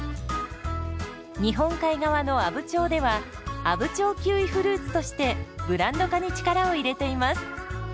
日本海側の阿武町では「阿武町キウイフルーツ」としてブランド化に力を入れています。